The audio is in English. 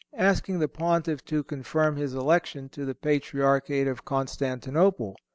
asking the Pontiff to confirm his election to the Patriarchate of Constantinople.